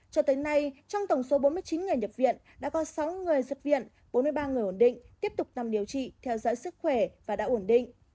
cho tới nay trong tổng số bốn mươi chín người nhập viện đã có sáu người xuất viện bốn mươi ba người ổn định tiếp tục nằm điều trị theo dõi sức khỏe và đã ổn định